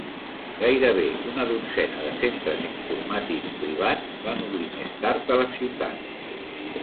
Gairebé una dotzena de centres informàtics privats van obrir més tard a la ciutat.